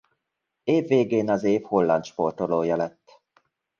Év végén az év holland sportolója lett.